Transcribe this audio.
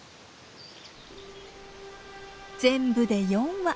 全部で４羽。